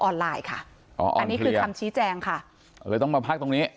ไลน์ค่ะอ๋ออันนี้คือคำชี้แจงค่ะเลยต้องมาพักตรงนี้